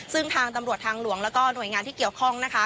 ซึ่งทางตำรวจทางหลวงแล้วก็หน่วยงานที่เกี่ยวข้องนะคะ